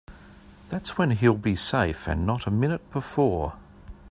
That's when he'll be safe and not a minute before.